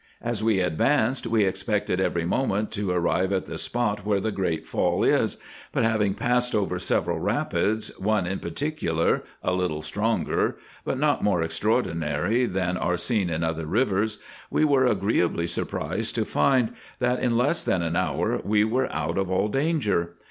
As we advanced, we expected every moment to arrive at the spot where the great fall is ; but having passed over several rapids, one, in particular, a little stronger, but not more extraordinary than are seen in other rivers, we were agreeably surprised to find, that in less than an hour we were out of all danger.